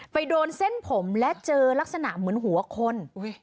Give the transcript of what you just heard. ไปโดนเส้นผมและเจอลักษณะเหมือนหัวคน